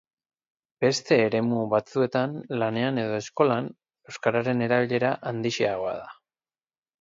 Beste eremu batzuetan, lanean edo eskolan, euskararen erabilera handixeagoa da.